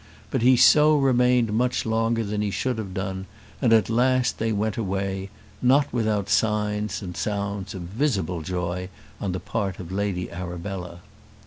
But he so remained much longer than he should have done, and at last they went away, not without signs and sounds of visible joy on the part of Lady Arabella.